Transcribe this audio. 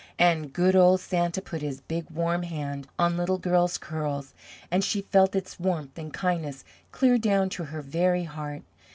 and good old Santa put his big warm hand on Little Girl's curls and she felt its warmth and kindness clear down to her very heart.